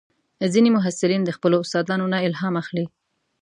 ځینې محصلین د خپلو استادانو نه الهام اخلي.